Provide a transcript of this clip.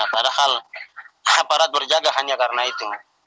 padahal aparat berjaga hanya karena itu